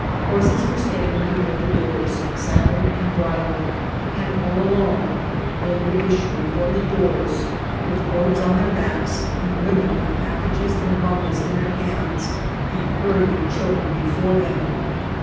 Horses were standing before the doors saddled and bridled, and all along men were issuing from the doors with loads on 72 INCIDENTS OF TRAVEL. their backs, and women with packages and bundles in their hands, and hurrying children before them.